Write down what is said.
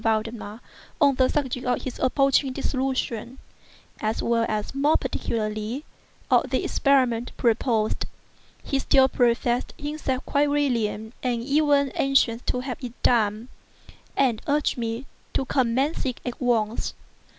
Valdemar on the subject of his approaching dissolution, as well as, more particularly, of the experiment proposed. He still professed himself quite willing and even anxious to have it made, and urged me to commence it at once.